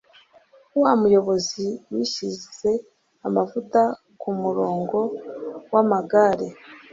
Wa muyobizi yashyize amavuta kumurongo wamagare.